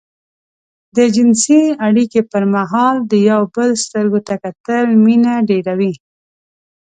د جنسي اړيکې پر مهال د يو بل سترګو ته کتل مينه ډېروي.